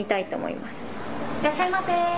いらっしゃいませ。